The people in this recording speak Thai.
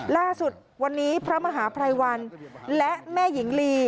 ล่าสุดวันนี้พระมหาภัยวันและแม่หญิงลี